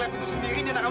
in mixoung sebelah mata